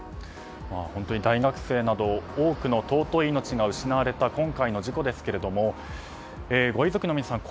大学生など多くの尊い命が失われた今回の事故ですけれどもご遺族の皆さん